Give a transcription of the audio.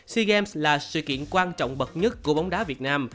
sea games là sự kiện quan trọng bậc nhất của bóng đá việt nam